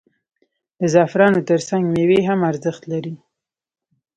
د زعفرانو ترڅنګ میوې هم ارزښت لري.